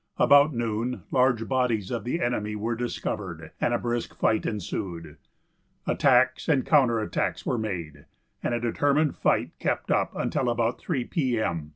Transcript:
About noon large bodies of the enemy were discovered, and a brisk fight ensued. Attacks and counter attacks were made, and a determined fight kept up until about three p. m.